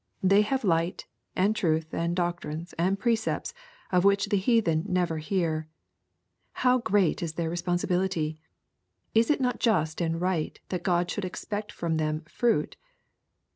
They have light, and truth, and doctrines, and precepts, of which the heathen never hear. How great is their responsi bility I Is it not just and right that God should expect from them "fruit